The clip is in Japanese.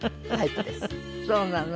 そうなの？